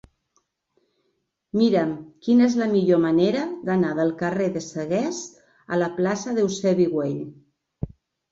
Mira'm quina és la millor manera d'anar del carrer de Sagués a la plaça d'Eusebi Güell.